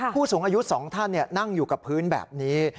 ผู้สูงอายุ๒ท่านนั่งอยู่กับพื้นแบบนี้